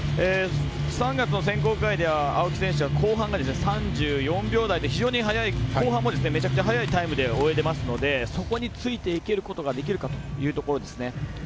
３月の選考会では青木選手が後半が３４秒台で非常に早い後半もめちゃくちゃ早いタイムで泳いでいますのでそこについていけることができるかというところですね。